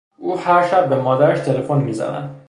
او هر شب به مادرش تلفن میزند.